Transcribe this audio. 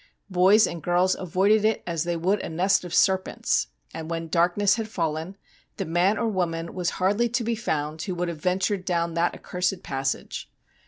Boys and girls avoided it as they would a nest of serpents, and when darkness had fallen the man or woman was hardly to be found who would have ventured down that accursed passage.